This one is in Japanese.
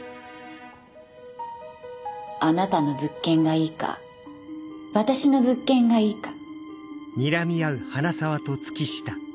あなたの物件がいいか私の物件がいいか。